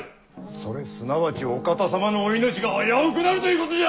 それすなわちお方様のお命が危うくなるということじゃ！